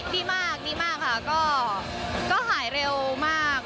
ดีมากดีมากค่ะก็หายเร็วมาก